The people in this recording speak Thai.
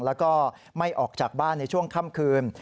แล้วก็ไม่ออกจากบ้านในช่วงค่ำคืน